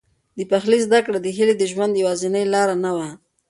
د پخلي زده کړه د هیلې د ژوند یوازینۍ لاره نه وه.